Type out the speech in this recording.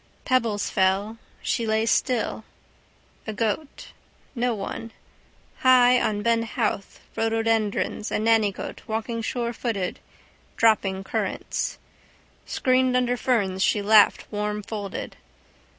Pebbles fell. She lay still. A goat. No one. High on Ben Howth rhododendrons a nannygoat walking surefooted, dropping currants. Screened under ferns she laughed warmfolded.